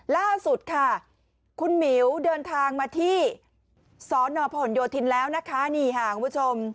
ล่าสุดค่ะคุณหมิวเดินทางมาที่สนผลโยธินแล้วนะคะนี่ค่ะคุณผู้ชม